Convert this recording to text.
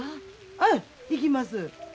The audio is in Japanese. はい行きます。